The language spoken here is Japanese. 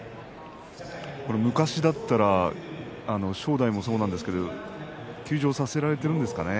昔だったら正代もそうなんですけども休場させられているんですがね